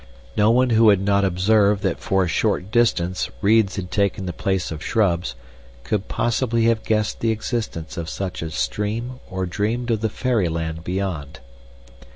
No one who had not observed that for a short distance reeds had taken the place of shrubs, could possibly have guessed the existence of such a stream or dreamed of the fairyland beyond.